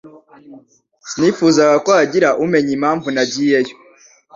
Sinifuzaga ko hagira umenya impamvu nagiyeyo.